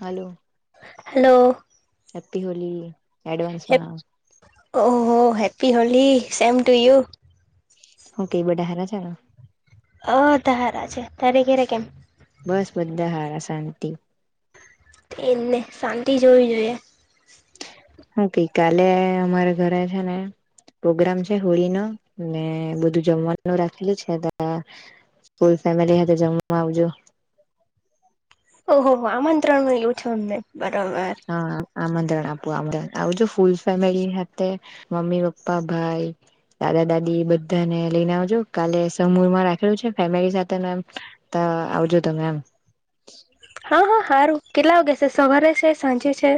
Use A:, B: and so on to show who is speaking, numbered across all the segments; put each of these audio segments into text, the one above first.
A: Hello
B: hello
A: happy Holi advance માં
B: oh happy Holi same to you
A: હું કઈ બધા હરા છેને
B: અ તારા છે તરે ઘરે કેમ?
A: બસ બધા સારા શાંતિ
B: એમને શાંતિ જોવી જોઈએ
A: હું કેય કાલે અમારે ઘરે છે ને પ્રોગ્રામ છે હોળી નો ને બધું જમવાનું રાખેલું છે ત ફૂલ ફેમિલી સાથે જમવા આવજો
B: ઓહ હો આમંત્રણ ન એવું છે નહી
A: હા આમંત્રણા આ શું આવજો ફુલ ફેમિલી સાથે મમ્મી, પપ્પા, ભાઈ દાદા દાદી બધાને લઈને આવજો કાલે સમૂર માં રાખેલું છે ફેમિલી સાથે એમ તા હા આવજો તમે એમ
B: હા હા સારું કેટલા વાગે છે સવારે છે સાંજે છે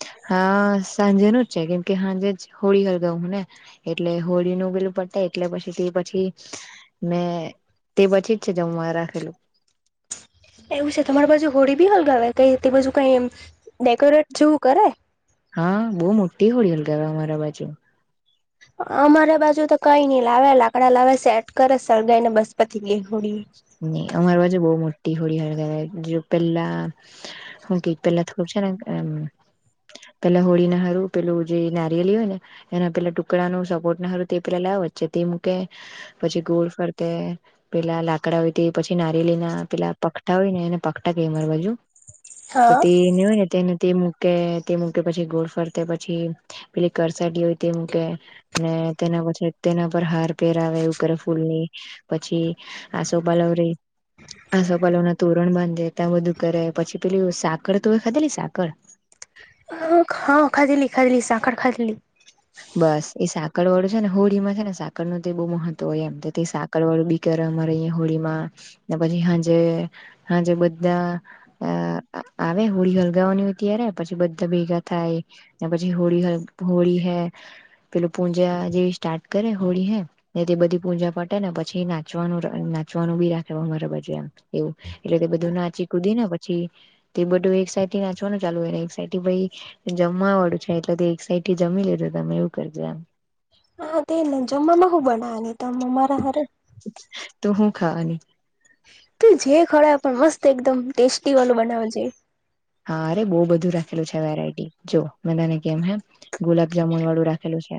A: [unintelligible] હા સાંજે ન જ છે કેમ કે સાંજે હોળી હલગાવું ને એટલે હોળીનું પેલું પટા એટલે પછી તે પછી મેં તે પછી જ છે જમવા રાખેલું. [inaudible]
B: એવું છે તમારી બાજુ હોળી બી હલગાવે કઈ તે બાજુ કઈ ડેકોરેટ જેવું કરે
A: હા બહુ મોટી હોડી હલગાવે અમારા બાજુ
B: અમારા બાજુ તો કઈ નઈ લાવે લાકડા લાવે સેટ કરે સળગાઈ ને બસ પતી ગીઉ
A: ન અમાર વાજે બહુ મો ટી હોળી હળ ગાવે પેલા હું કેય પેલા થોડું છે ને પેલા હોળી ના હારું પેલું જે નારિયળ હોય ને એના પેલા ટુકડા નું સપોટ ના હરું તે પેલા લાવ વચ્ચે તે મૂકે પછી ગોળ ફરતે પેલા લાક ડા તે પછી નારીયલી ના પેલા પગટા હોય ને એને પગટા કે માર બાજુ તો
B: હા
A: તે ને હોય ને તેને તે મૂકે તે મૂકે પછી ગોડ ફરતે પછી પેલી કરસાડી હોય તે મૂકે ને તેના પછી તેના પર હાર પેર આવે એવું કરે ફૂલની પછી હા સોભાલવરી આસોપાલવ ના તોરણ બાંધે ત્યાં બધું કરે પછી પેલી સાકર તોવે ખાધેલી સાકર
B: અ હા ખાધલી ખાધલી સાખર ખાધેલી
A: બસ એ સાંકર વાળું છે ને હોળીમાં છે ને સાકર નું તો બહુ મહત્વ હોય એમ તો તે સાકરવાળું બી રમણીય હોળીમાં પછી હાજે સાંજે બધા આવે હોળી હલગાવવાની હોય ત્યારે પછી બધા ભેગા થાય પછી હોળી હોળી પેલું પૂજા જેવી સ્ટાર્ટ કરે હોળી હે તે બધી પૂજા પટે ને પછી નાખે નાચવાનું નાચવાનું બી રાખે અમારા બાજુ એમ એવું એટલે બધું નાચી કુદી ને પછી તે બધું એક સાઇટથી નાચવાનું ચાલુ હોને એક જમવા વાળું છે એટલે એક જમી લીધુ તમે એવું [inaudible] એમ
B: હા તેને જમવામાં હું બનાવા ની તો અમારા હારુ
A: ખાની
B: તું જે [unintelligible] પણ મસ્ત એકદમ ટેસ્ટી વાળું બનાવજે
A: હા અરે બો બધું રાખેલું છે વેરાયટી જો મે તને કેમ હેમ ગુલાબ જામુન વાળું રાખેલું છે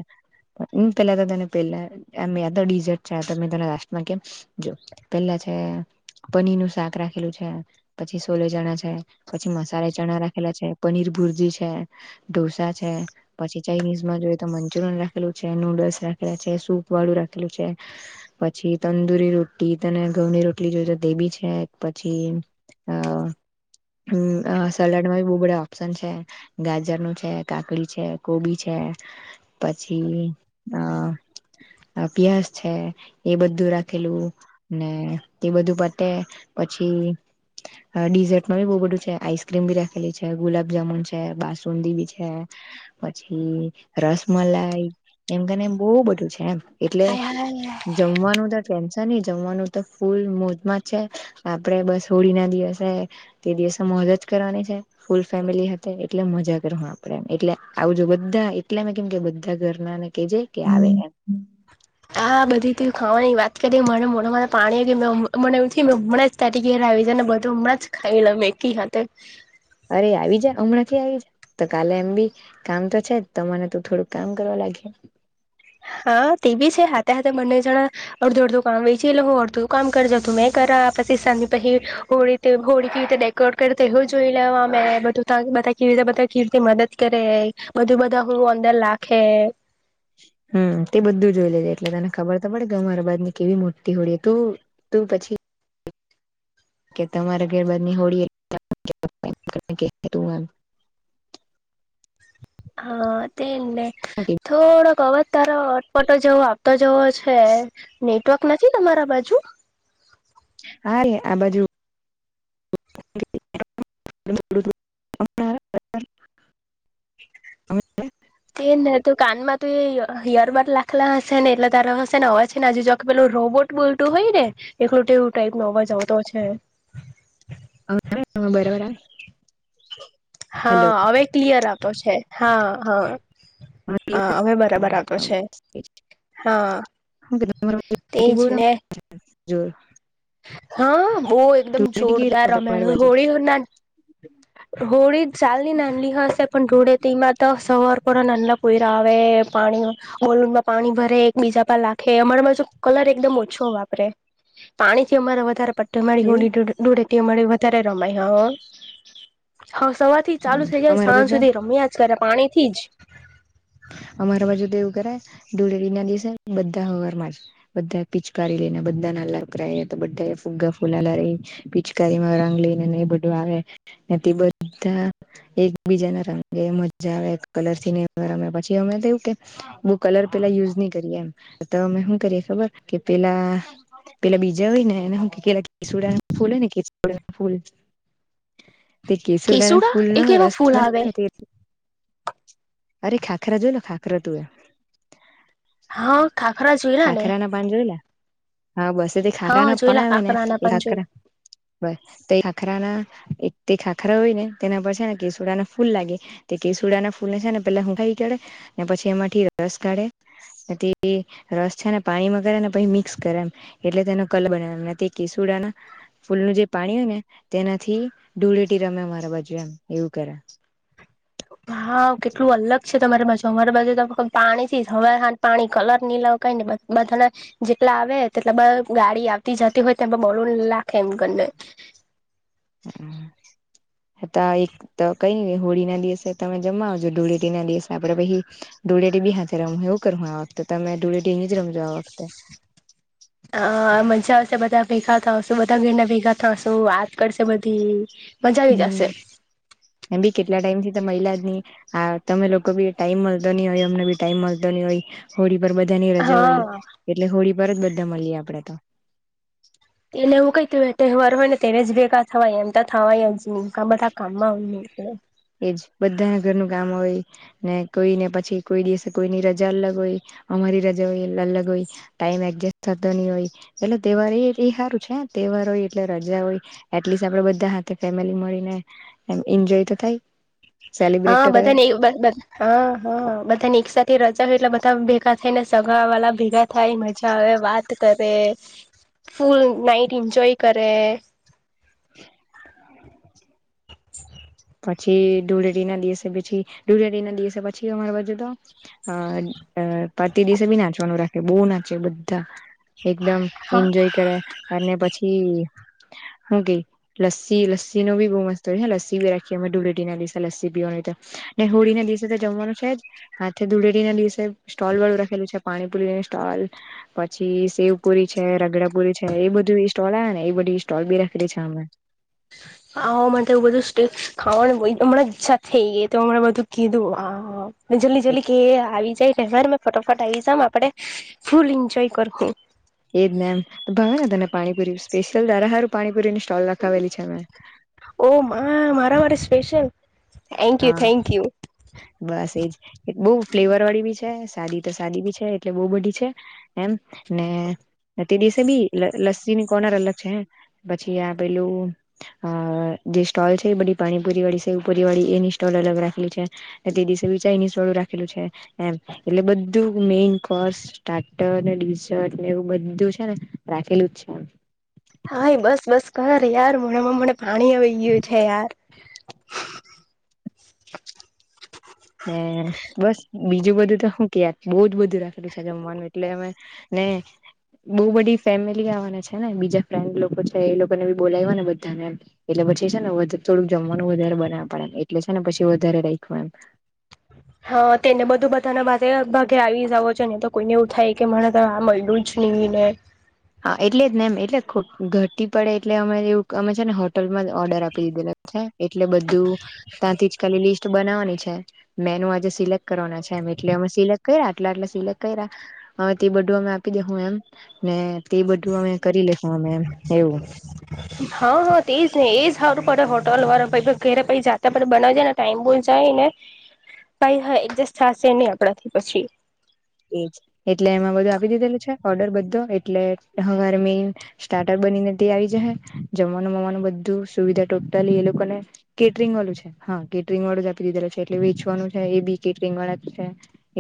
A: ઉ પેલા ત તને પેલા આમ ડીઝર્ટ છે તમે તને લાસ્ટમાં કેમ જો પેલા છે પનીર નું શાક રાખેલું છે પછી સોલે ચણા છે પછી મ [unintelligible] ચણા રાખેલા છે પનીર ભુરજી છે ઢોસા છે પછી ચાઇનીઝમાં જોઈએ તો મં ચુરન રાખેલું છે નુડલ્સ રાખેલા છે સૂપ વાળું રાખેલું છે પછી તંદુરી રોટી તને ઘઉંની રોટલી [unintelligible] તે બી છે પછી અ હું અ સલાડમાં ભી બો બધા ઓપ્શન છે ગાજર નું છે કાકડી છે કોબી છે પછી અ પિયાસ છે એ બધું રાખેલું ને એ બધું પતે પછી [unintelligible] ભી બો બધું છે આઈસ્ક્રીમ ભી રાખેલી છે ગુલાબ જામુન છે બાસુંદી બી છે પછી રસ મલાઈ એમ કેને એમ બો બધું છે એમ એટલે
B: હાય હાય
A: જમવાનું તો ટન્શ ને જમવાનું તો ફૂલ [unintelligible] છે આપડે બસ હોળી ના દિવસે તે દિવસ મોજ જ કરવાની છે ફૂલ ફેમિલી હાતે એટલે મજા કરહુ આપડે એમ એટલે આવું જો બધા એટલે કેમ કે બધા ઘરનાને કેજે કે આવે એમ
B: આ બધી [unintelligible] ખાવાની વાત કરી મને મોડા મા પાણી કે મે મને એં હમણાં જ ત ઘરે આવી જાય ને બ બધુ હમણાં જ ખાઈલવ એકિહાતે
A: અરે આવી જા હમણાં થી આવી જા તો કાલે એમ બી કામ તો છે જ ત મને તું થોડુંક કામ કરવા લાગહે
B: હા તે બી છે હાથે હાથે બંને જણા અડધો અડધો કામ વેચી લેહુ અડધું કામ કર જે [unintelligible] કરા પછી [unintelligible] હોળી [unintelligible] કરેવ જોઈ લેવા બધા કેવી રીતે બધા કેવી રીતે મદદ કરે [unintelligible] હું અંદર લાખે
A: [inaudible] હમ તે બધું જોઈ લેજે એટલે તને ખબર તો પડે કે અમારા બાજ ની કેવી મોતી હોડી તું તું પછી કે તમારે ગેરબાજની હોળ [inaudible]
B: હા તે ને થોડોક અવજ તારો અટપટો જેવો આવતો જેવો છે નેટવર્ક નથી તમારા બાજુ
A: અરે આ બાજુ [inaudible]
B: તેને તો કાનમાં તુ એ ઈ હિયરબડ લાખેલા હશે ને એટલે તારો હશે ને અવાજ છે ને આજુ [unintelligible] રોબોટ બોલટું હોય ને [unintelligible] તેવું ટાઈપ નો અવાજ આવતો છે
A: [inaudible] બરાબર આવે
B: હા અવે ક્લિયર આવતો છે હા હા
A: તમારી
B: અ અવે બરાબર આવતો છે, હા તેજ ને
A: જો
B: હા બો એકદમ જોરદાર રમે
A: અમારા બાજુ
B: હોળીના હોળી ચાલની નાનલી હશે પણ ધૂળેટીમા તો સવાર પર નાન્હા પોયરા આવે પાણી બોલુનમાં પાણી ભરે એક બીજા પર લાખે અમારા બાજુ કલર એકદમ ઓછો છો વાપરે પાણી થી અમારે વધારે પત્તે મારી હોડી ધુળ ધૂળેટી મળી વધારે રમાય હા હા સવાર થી ચાલુ થઇ જાય, સાંજ
A: તો
B: સુધી રમ્યા જ કરે પાણી થી જ
A: [inaudible] અમારા બાજુ તો એવું કરે ધૂળેડી ના દિવસે બધા હવાર માં જ બધા પીચકારી લઈને બધા નાનલા છોકરાતો બધા ફુગા ફૂલાલા રહી પિચકારીમાં રંગ લઈને નહી બધું આવે થી તે બધા એકબીજાના રંગે મજા આવે કલર થી ને અમે રમીયે, પછી અમેતો એવુ કે બો કલર પેલા યુઝ ની કરીએ એમ, તો અમે હુ કરીએ ખબર કે પેલા પેલા બીજા હોય ને હુકે પેલા કેસુડા ફૂલ હોયને કેસુડા ફૂલ તે કેસુડાના
B: કેસુડા
A: ફૂલ નો
B: એ કેવા
A: રસ
B: ફૂલ આવે
A: બના અરે ખાખરા જોયને ખાખરા ધોયા
B: હા ખાખરા જોઈલા ને
A: ખાખરા ના પાન જોયેલા હા બસ તોજે
B: હા
A: ખાખરાના પાન
B: જોયેલા
A: આવેને
B: ખાખરા ના
A: એ
B: પણ જોયેલા
A: ખાખરા બસ તોએ ખાખરાના એક તે ખાખરા હોય ને તેના પર છે ને કેસુડા ના ફૂલ લાગે તે કેસુડા ના ફૂલ ને છે પેલા હુંકા ઇકાઢે ને પછી એમાંથી રસ કાઢે તેબી રસ છે ને પાણી માં કરે ને પછી મિક્સ કરેય એમ એટલે તેનો કલર બનાવાના તે કેસુડા ના ફૂલ જે પાણી હોય ને તેનાથી ધૂળેટી રમે મારા બાજુ એમ એવું કરે. [inaudible]
B: હા કેટલું અલગ છે તમારી બાછુ, અમારી બાજુ તો આખો પાણી થી હવાર હાંજ પાણી કલર ની લાવ કાઈની બધા જે લાવે એટલે બ હુ ગાડી આવતી જતી હોય તોમ બોરલ ને લાખે એમ કરને
A: [inaudible] તા એક તો કઈ નહી હોળી ના દિવસે તમે જમવા આવજો, ધૂળેટી ના દિવસે આપડે પહી ધૂળેટી બી હાથે રમહુ [unintelligible] તો તમે ધૂળેટી અહીંજ રમજો આ વખતે
B: ત બધા ભેગા થશુ બધા ભીના ભીના થશુ વાત કરશે બધી મજા જ ગશે
A: એ ભી કેટલા ટાઈમ થી ત મહિલા જ નહી, આ તમે લોકો બી ટાઈમ મળતો ની હોય, અમને બી ટાઈમ મળતો ની હોય હોળી પર બધાની રજા હોય,
B: હા
A: એટલે હોળી પર જ બધા મળીએ આપડે તો
B: એમ એવુ કઈ ત તહેવાર હોય ને તેને જ ભેગા થવાય એમ તો થવાય જ કા બધા કામમાં હોવે
A: એજ બધાને ઘર નુ કામ હોય, ને કોઈને પછી કોઈ દિવસે કોઈની રજા અલગ હોય અમારી રજા હોય લલગ હોય, ટાઈમ એડજસ્ટ થતો ની હોય એટલે તહેવાર એ રીતે સારું છે. તહેવાર હોય એટલે રજા હોય, એટલીસ્ટ આપડે બધા હાથે ફેમિલી મળીને એમ એન્જોય તો થાય સેલિબ્રેટ
B: હા
A: તો કરાય
B: બધાને એવુ બસ બસ હ હા બધાને એક સાથે રજા હોય એટલે બધા ભેગા થઈને સગા વાલા ભેગા થાય મજા આવે વાત કરે ફૂલ નાઇટ એન્જોય કરે.
A: [inaudible] પછી ધૂળેટી ના દિવસે પછી ધૂળેટી ના દિવસે પછી અમાર બાજુ તો અ પા પરતી દિવસે બી નાચવાનું રાખે બહુ નાચે બદ એકદમ
B: હા
A: એન્જોય કરે અને પછી હું કઈ લસ્સી લસ્સી નો બી બહુ મસ્ત હોય હ લસ્સી બી રાખીએ અમે ડુળેટી ના દિવસે લસ્સી પીવાનું હોય તો, ને હોળ ળી ના દિવસે તો જમવાનું છે જ, હાથે ધૂળેટી ના દિવસે સ્ટોલ વાળું રખેલું છે પાણી પુરીનુ સ્ટોલ પછી શેવપુરી છે, રગડાપુરી છે, એ બધી સ્ટોલ આવે ને એ બધી સ્ટોલ બી રાખેલી છે. હમે
B: આ ઓ મનેું એવું બધું ટેસ્ક ખાવાનું હમણાં ઈ્છા થઈ ગઈ તો હમણાં બધું કીધું આ જલ્દી જલ્દી કે આવી જાય તહેવાર ફટોફટ આ આવી જમ આપડે ફૂલ એન્જોય કરહું.
A: એજ નેમ ભાવ ને તને પાણીપુરી સ્પેશિયલ દારા હારું પાણીપુરી
B: ઓ મા મારા મારે સ્પેશિયલ થેન્ક યુ
A: હા
B: થેન્ક યુ.
A: બસ એજ બહુ ફ્લેવર વાળી બી છે સાદી તો સાદી બી છે એટલે બહુ બધી છે એમ ને તે દિવસે બી લ લસ્સીની કોનર અલગ છે પછી આ પેલું અ જે સ્ટોલ છે એ બધી પાણીપુરી વાળી છે પુરી વાળી એની સોલ અલગ રાખેલી છે તે દિવસે બી ચાઈની સ્ટોલ રાખેલું છે એમ એટલે બધું મે કિંગ કોસ્ટ સ્ટાર્ટર ડીસર્ટ ને એવું બધું છે ને રાખેલું જ છેમ.
B: હા એ બસ બસ કર યાર મોળામાં મને પાણી આવી ગયું છે યાર.
A: ને બસ બીજું બધું તો શું કેય યાર બોજ બધું રાખેલું છે જમવાનું એટલે અમે ને બોવ બધી ફેમિલી આવવાને છે ને બીજા ફ્રેન્ડ લોકો છે એ લોકોને બી બોલાયવાને બધાને એમ એટલે પછી છે ને અજુ થોડુંક જમવાનું વધારે બનાવા પડે એમ એટલે છે ને પછી વધારે રાયખું એમ.
B: હા તેને બધું બધાના ભાગે ભાગે આવી જાવ છો ને તો કોઈને એવું થાય કે મને તો આ મયલું જ ની. [unintelligible] ને
A: હા એટલે જ ને એમ એટલે ખો ઘટી પડે એટલે અમે એવું અમે છે ને હોટલમાં ઓર્ડર આપી દીધેલો. છે એટલે બધું ત્યાંથી જ ખાલી લિસ્ટ બનાવાની છે મેનુ આજે સિલેક્ટ કરવાના છે. એમ એટલે અમે સિલેક કયરા આટલા આટલા સિલેક્ટ કયરા અવે તે બધું અમે આપી દેહુ એમ ને તે બધું અમે કરી લેહુ અમે એમ એવું.
B: હા હા તેજને એજ સારું પડે હોટલ વાળા ભાઈ ભાઈ ઘેરે પછી જાતા પડે બનાવા જાયને ટાઈમ બો જાયને
A: [inaudible]
B: ભાઈ હા એજસ્ટ થશેની આપડાથી પછી.
A: એજ એટલે એમાં બધું આપી દીધેલું છે. ઓર્ડર બધો એટલે હવારે મેન સ્ટાર્ટર બનીને તે આવી જહે જમવાનું મમાનું બધ ધુ સુવિધા ટોટલી એ લોકોને કેટરિંગ વાળું છે હા કેટરિંગ વાળું જ આપી દીધેલુ છે એટલે વેચવાનું રે ને એ બી કેટરિંગ વાળા છે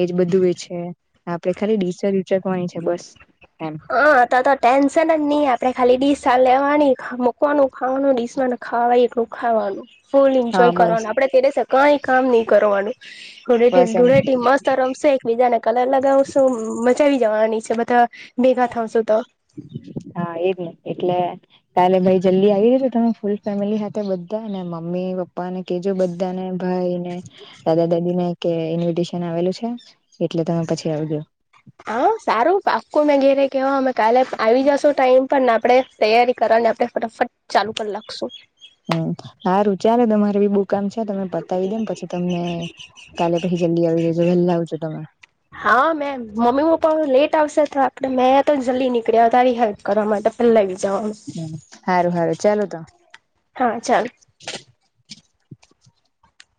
A: એજ બધું એ છે. આપડે ખાલી ડીસ જ ઊચકવાની છે બસ. એમ
B: હ તો તો ટેન્શન જ ની આપ આપણે ખાલી ડીશ લેવાની મૂકવાનું ખાવાનું ડીશ માનુ ખાવાય એટલું ખાવાનું. ફૂલ
A: હા
B: એન્જોય
A: બસ
B: કરવાનું આપડે તે દિવસે કઈ કામ ની કરવાનું. ધૂળેટી
A: બસ એમ
B: ધૂળેટી મસ્ત રમશે એકબીજાને કલર લગાવશું મ જાવી જવાની છે બધા ભેગા થશું તો.
A: હા એજને એટલે કાલે ભાઈ જલ્દી આવી રેજો તમે ફૂલ ફેમિલી હાથે. ધા ને મમ્મી પપ્પા ને કેજો બધાને ભાઈને દાદા દાદીને કે ઇન્વિટેશન આવેલું છે એટલે તમે પછી આવજો.
B: હા સારું પાક્કુ મેં ઘેરે કેવા અમે કાલે આવી જશો ટાઈમ પર ને આપડે તૈયારી કરવા ને આપણે ફટાફટ ચાલુ કર લાખશું.
A: હમ્મ હારું ચાલો તમારે બી બુક કામ છે તમે પતાવી દેમ પછી તમને કાલે પહી જલ્દી આવી રેજો વલ્લા આવજો તમે.
B: હા મેમ મમ્મી પપ્પા લેટ આવશે. તો આપડે મેં તો જલ્દી નીકરી આવા તારી હેલ્પ કરવા માટે પહેલા
A: હમ્મ હારું હારું ચાલો તો
B: હા ચાલ